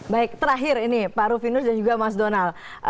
baik terakhir ini pak rufinus dan juga mas donal